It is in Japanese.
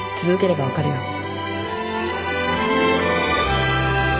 続ければ分かるよ